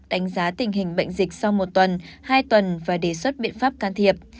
đánh giá tình hình bệnh dịch sau một tuần hai tuần và đề xuất biện pháp can thiệp